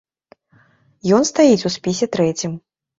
Ён стаіць у спісе трэцім.